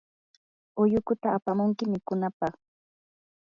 ullukuta apamunki mikunapaq.